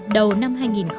đầu năm hai nghìn một mươi bảy